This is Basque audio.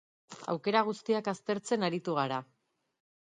Aukera guztiak aztertzen aritu gara.